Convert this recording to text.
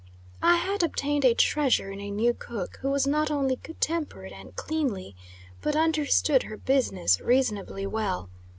I had obtained a "treasure" in a new cook, who was not only good tempered and cleanly, but understood her business reasonably well.